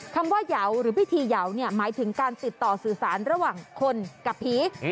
คำว่ายาวหรือพิธีเหยาวเนี่ยหมายถึงการติดต่อสื่อสารระหว่างคนกับผี